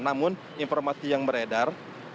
namun informasi yang beredar